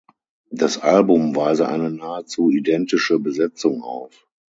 Das Album weise eine nahezu identische Besetzung auf.